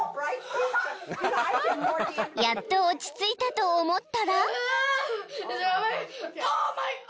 ［やっと落ち着いたと思ったら］